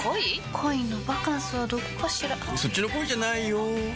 恋のバカンスはどこかしらそっちの恋じゃないよ